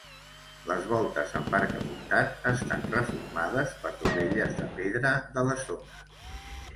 Les voltes, amb arc apuntat, estan reformades per dovelles de pedra de la zona.